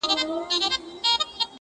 چي عبرت سي بل نا اهله او ګمراه ته,